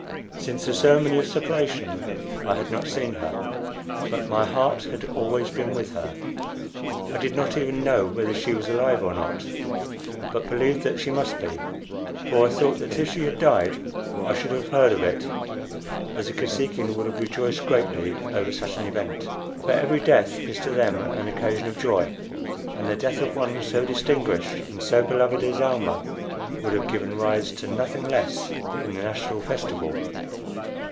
Since the ceremony of separation I had not seen her; but my heart had been always with her. I did not even know whether she was alive or not, but believed that she must be; for I thought that if she had died I should have heard of it, as the Kosekin would have rejoiced greatly over such an event. For every death is to them an occasion of joy, and the death of one so distinguished and so beloved as Almah would have given rise to nothing less than a national festival.